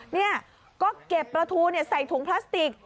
นี่ก็เก็บปลาทูใส่ถุงพลาสติก